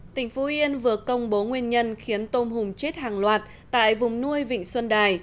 tỉnh phú yên vừa công bố nguyên nhân khiến tôm hùm chết hàng loạt tại vùng nuôi vịnh xuân đài